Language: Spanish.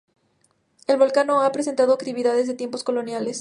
El volcán no ha presentado actividad desde tiempos coloniales.